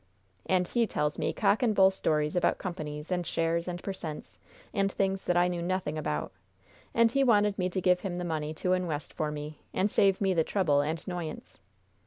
"And he tells me cock and bull stories about companies, and shares, and per cents. and things that I knew nothing about. And he wanted me to give him the money to inwest for me, and save me the trouble and 'noyance.